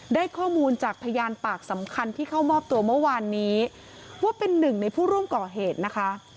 ได้ข้อมูลจากพยานปากสำคัญที่เข้ามอบตัวเมื่อวานนี้ว่าเป็นหนึ่งในผู้ร่วมก่อเหตุนะคะ